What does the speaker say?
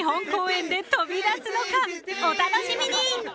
［お楽しみに！］